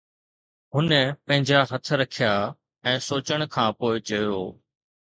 هن پنهنجا هٿ رکيا ۽ سوچڻ کان پوءِ چيو.